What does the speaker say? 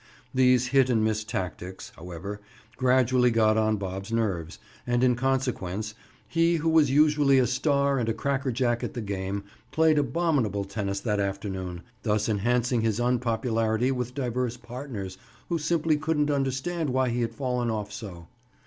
These hit and miss tactics, however, gradually got on Bob's nerves, and in consequence, he who was usually a star and a cracker jack at the game, played abominable tennis that afternoon—thus enhancing his unpopularity with divers partners who simply couldn't understand why he had fallen off so.